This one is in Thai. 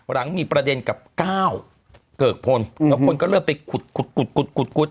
หลังมีประเด็นกับก้าวเกิกพลแล้วคนก็เริ่มไปขุดขุด